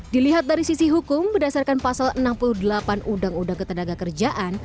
dilihat dari sisi hukum berdasarkan pasal enam puluh delapan undang undang ketenaga kerjaan